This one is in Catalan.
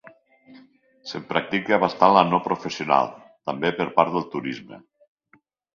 Se'n practica bastant la no professional, també per part del turisme.